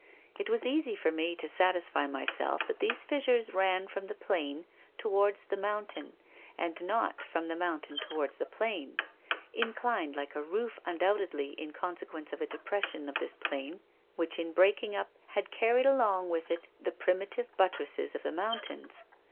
It was easy for me to satisfy myself that these fissures ran from the plain toward the mountain and not from the mountain toward the plain, inclined like a roof undoubtedly, in consequence of a depression of this plain which in breaking up had carried along with it the primitive buttresses of the mountains.